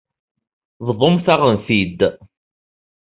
Bḍumt-aɣ-ten-id.